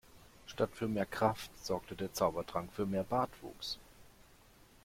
Statt für mehr Kraft sorgte der Zaubertrank für mehr Bartwuchs.